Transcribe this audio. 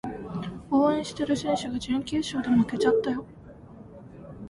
応援してる選手が準決勝で負けちゃったよ